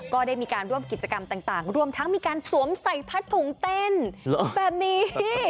ก็ได้มีการร่วมกิจกรรมต่างรวมทั้งมีการสวมใส่พัดถุงเต้นแบบนี้